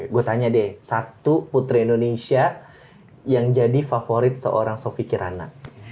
gue tanya deh satu putri indonesia yang jadi favorit seorang sofi kirana